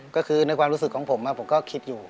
ก็คือในความรู้สึกของผมผมก็คิดอยู่